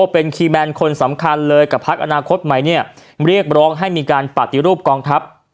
เป็นคีย์แมนคนสำคัญเลยกับพักอนาคตใหม่เนี่ยเรียกร้องให้มีการปฏิรูปกองทัพ